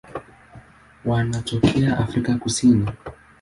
Wanatokea Afrika ya Kusini.